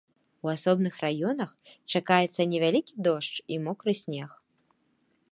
У асобных раёнах чакаецца невялікі дождж і мокры снег.